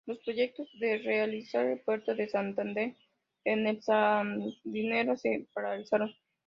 Los proyectos de realizar el puerto de Santander en El Sardinero se paralizaron.